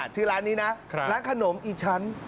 ชื่อร้านนี้นะร้านขนมอีชั้น